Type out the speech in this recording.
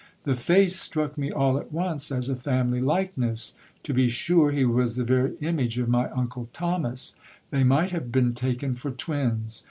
The face struck me all at once as a family likeness. To be sure he was the very image of my uncle Thomas ; they might have been taken for twins.